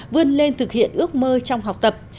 vươn lên thực hiện ước mơ trong học tập